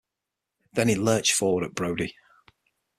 Then he lurched forward at Brody.